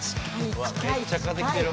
うわめっちゃ風来てる。